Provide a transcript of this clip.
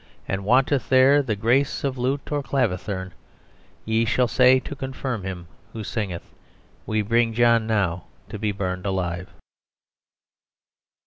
[And wanteth there grace of lute or clavicithern, ye shall say to confirm him who singeth We bring John now to be burned alive."